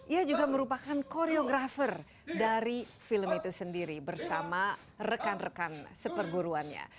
ia juga merupakan koreografer dari film itu sendiri bersama rekan rekan seperguruannya